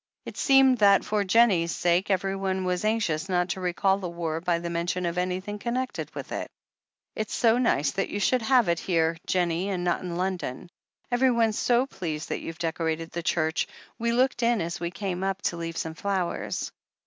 It seemed that, for Jennie's sake, every one was anxious not to recall the war by the mention of anything connected with it. "It's so nice that you should have it here, Jennie, and not in London. Everyone is so pleased, and they've decorated the church — we looked in as we came up, to leave some flowers.